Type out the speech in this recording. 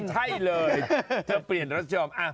ไม่ใช่เลยเธอเปลี่ยนรัสเซียม